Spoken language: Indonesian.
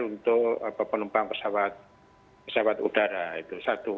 untuk penumpang pesawat udara itu satu